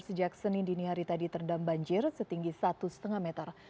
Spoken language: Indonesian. sejak senin dini hari tadi terendam banjir setinggi satu lima meter